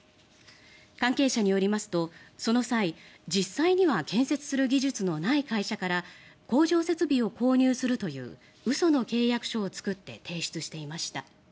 関係者によりますとその際、実際には建設する技術のない会社から工場設備を購入するという嘘の契約書を作って提出していました。